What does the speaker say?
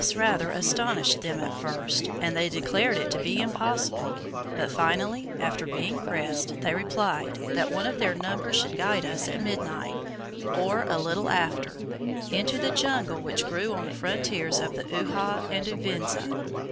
This rather astonished them at first, and they declared it to be impossible; but, finally, after being pressed, they replied, that one of their number should guide us at midnight, or a little after, into the jungle which grew on the frontiers of Uhha and Uvinza.